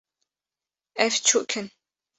Ev çûk in